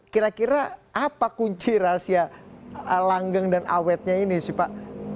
kira kira apa kunci rahasia langgeng dan awetnya ini sih pak